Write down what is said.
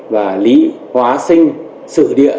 và lý hóa sinh sử địa